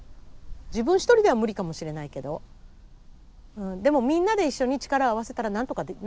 自分一人では無理かもしれないけどでもみんなで一緒に力を合わせたらなんとか何かを変えられるかもしれない。